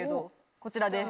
こちらです。